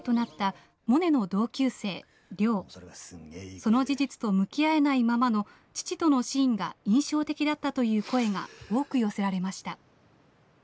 その事実と向き合えないままの父とのシーンが印象的だったという声が多く寄せられました。